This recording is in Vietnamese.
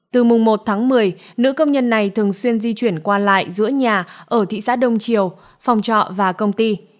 từ mùng một tháng một mươi nữ công nhân này thường xuyên di chuyển qua lại giữa nhà ở thị xã đông triều phòng trọ và công ty